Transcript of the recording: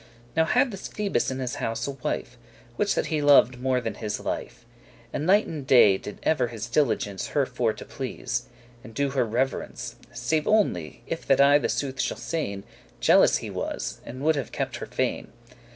Now had this Phoebus in his house a wife; Which that he loved more than his life. And night and day did ever his diligence Her for to please, and do her reverence: Save only, if that I the sooth shall sayn, Jealous he was, and would have kept her fain.